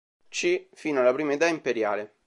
C. fino alla prima età imperiale..